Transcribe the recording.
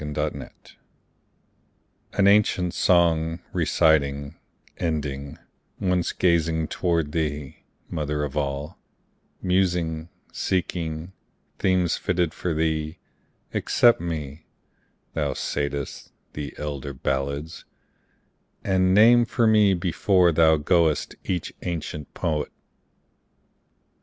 Old Chants An ancient song, reciting, ending, Once gazing toward thee, Mother of All, Musing, seeking themes fitted for thee, Accept me, thou saidst, the elder ballads, And name for me before thou goest each ancient poet.